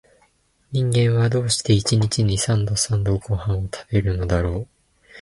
人間は、どうして一日に三度々々ごはんを食べるのだろう